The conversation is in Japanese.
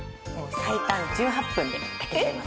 最短１８分で炊けてます。